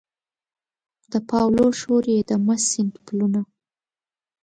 د پاولو شور یې د مست سیند پلونه